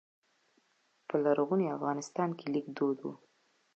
په لرغوني افغانستان کې لیک دود و